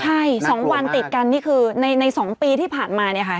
ใช่๒วันติดกันนี่คือใน๒ปีที่ผ่านมาเนี่ยค่ะ